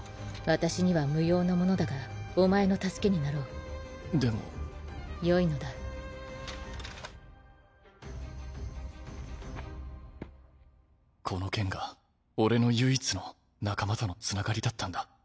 私には無用なものお前の助けになろうでもよいのだこの剣が俺の唯一の仲間とのつながりだったんだ。